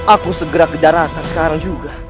aku segera kejar atas sekarang juga